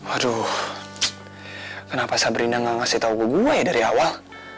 aduh kenapa sabrina nggak ngasih tau gue dari awal